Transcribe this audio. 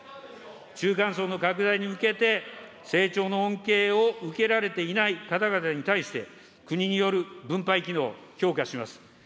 中間層の拡大に向けて、成長の恩恵を受けられていない方々に対して、国による分配機能強化します。